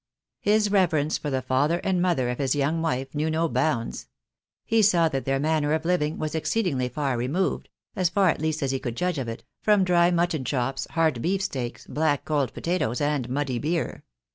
His reverence for the father and mother of his young wife knew no bounds. He saw that their manner of hving was exceedingly far removed (as far at least as he could judge of it) from dry mutton chops, hard beef steaks, black cold potatoes, and muddy beer.